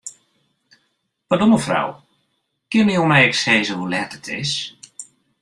Pardon, mefrou, kinne jo my ek sizze hoe let it is?